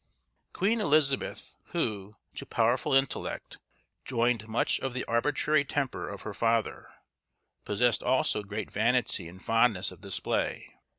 Queen Elizabeth, who, to powerful intellect, joined much of the arbitrary temper of her father, possessed also great vanity and fondness of display.